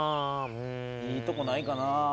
いいとこないかな？